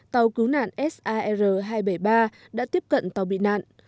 tàu cứu nạn sar hai trăm bảy mươi ba đã tiếp cận tàu bị nạn